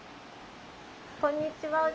こんにちは。